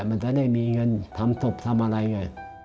มันจะได้มีเงินทำตบทำอะไรอย่างนี้